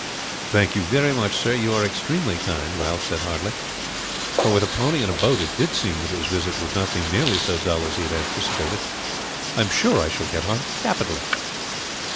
"Thank you very much, sir. You are extremely kind," Ralph said heartily; for with a pony and a boat it did seem that his visit would not be nearly so dull as he had anticipated. "I am sure I shall get on capitally."